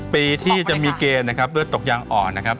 ปีที่จะมีเกณฑ์นะครับเลือดตกยางอ่อนนะครับ